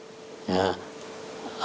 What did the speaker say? ở trong một cái khu